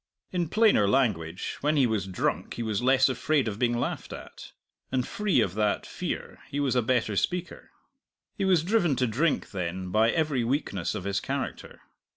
In plainer language, when he was drunk he was less afraid of being laughed at, and free of that fear he was a better speaker. He was driven to drink, then, by every weakness of his character.